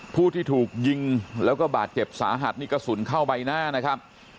ผู้ที่ถูกยิงแล้วก็บาดเจ็บสาหัสนี่กระสุนเข้าใบหน้านะครับ